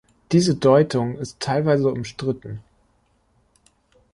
Diese Deutung ist teilweise umstritten.